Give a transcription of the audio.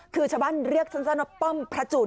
คือชาวบ้านเรียกสั้นว่าป้อมพระจูน